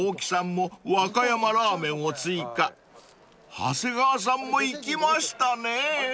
［長谷川さんもいきましたねー］